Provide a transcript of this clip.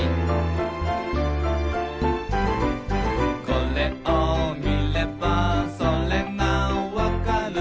「これを見ればそれがわかる」